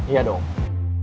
sampai jumpa lagi